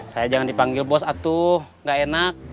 saya jangan dipanggil bos atuh nggak enak